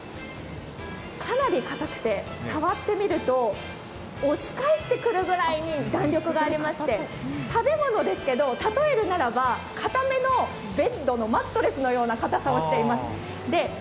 かなり硬くて、触ってみると押し返してくるくらい弾力がありまして食べ物ですけど、例えるならば硬めのベッドのマットレスのような硬さをしています。